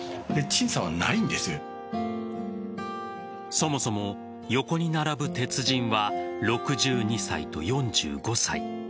そもそも横に並ぶ鉄人は６２歳と４５歳。